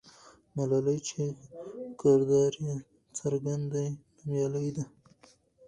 ملالۍ چې کردار یې څرګند دی، نومیالۍ ده.